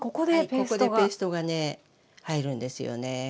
ここでペーストがね入るんですよね。